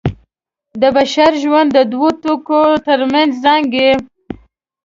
د بشر ژوند د دوو ټکو تر منځ زانګي.